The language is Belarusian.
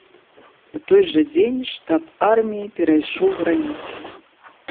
У той жа дзень штаб арміі перайшоў граніцу.